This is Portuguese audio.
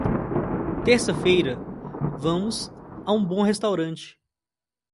Terça-feira vamos a um bom restaurante.